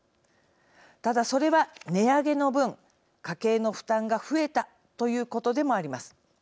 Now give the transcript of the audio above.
ただそれは値上げの分家計の負担が増えたということでもあります。